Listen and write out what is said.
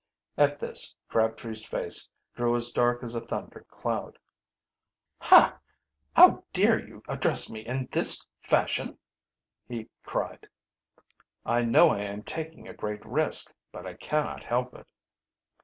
At this Crabtree's face grew as dark as a thunder cloud. "Ha I how dare you address me in this fashion?" he cried. "I know I am taking a great risk, but I cannot help it."